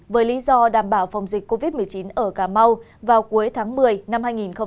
với lý do đảm bảo phòng dịch covid một mươi chín ở cà mau vào cuối tháng một mươi năm hai nghìn hai mươi